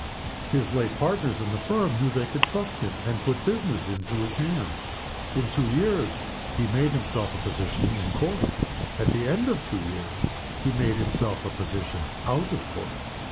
His late partners in the firm knew they could trust him, and put business into his hands. In two years he made himself a position in Court. At the end of the two years he made himself a position out of Court.